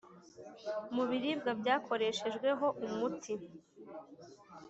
mu biribwa byakoreshejweho umuti